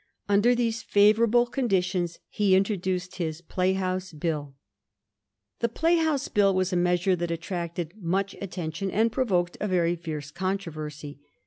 Under these favorable condi tions he introduced his Playhouse Bill. The Playhouse Bill was a measure that attracted much attention, and provoked a very fierce controversy.